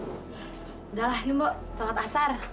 udah lah ini mbak sholat asar